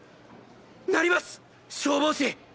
なります消防士。